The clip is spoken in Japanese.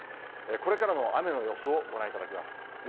これからの雨の様子をご覧いただきます。